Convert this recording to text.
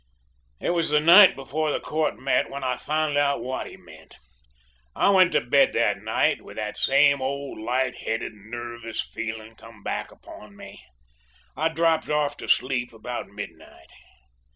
"It was the night before court met when I found out what he meant. I went to bed that night with that same old, light headed, nervous feeling come back upon me. I dropped off to sleep about midnight.